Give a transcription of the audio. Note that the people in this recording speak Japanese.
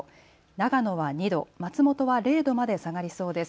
長野は２度、松本は０度まで下がりそうです。